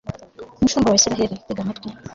mushumba wa israheli, tega amatwi